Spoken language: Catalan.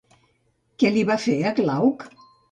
Què li va fer a Glauc?